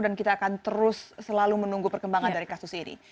dan kita akan terus selalu menunggu perkembangan dari kasus ini